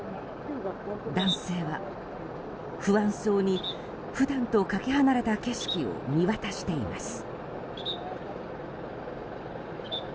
男性は不安そうに普段とかけ離れた景色を見渡しています。